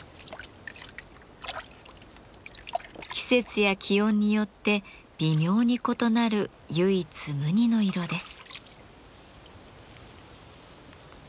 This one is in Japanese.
季節や気温によって微妙に異なる唯一無二の色です。